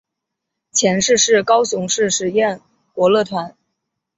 前身是高雄市实验国乐团。